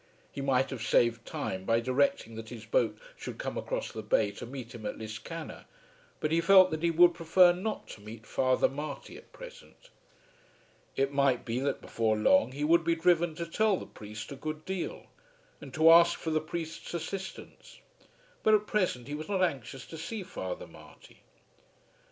He might have saved time by directing that his boat should come across the bay to meet him at Liscannor, but he felt that he would prefer not to meet Father Marty at present. It might be that before long he would be driven to tell the priest a good deal, and to ask for the priest's assistance; but at present he was not anxious to see Father Marty.